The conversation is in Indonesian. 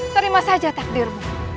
terima saja takdirmu